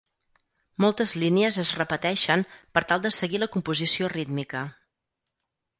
Moltes línies es repeteixen per tal de seguir la composició rítmica.